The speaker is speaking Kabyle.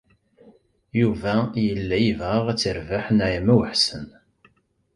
Yuba yella yebɣa ad terbeḥ Naɛima u Ḥsen.